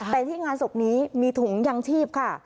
แต่ที่งานศพนี้มีถุงยังชีพค่ะ